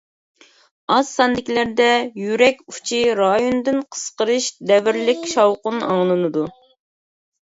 ئاز ساندىكىلەردە يۈرەك ئۇچى رايونىدىن قىسقىرىش دەۋرلىك شاۋقۇن ئاڭلىنىدۇ.